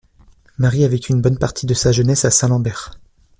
Marie a vécu une bonne partie de sa jeunesse à Saint-Lambert.